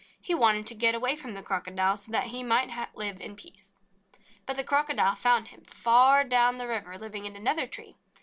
He wanted to get away from the Crocodile, so that he might live in peace. But the Crocodile found him, far down the river, living in another tree.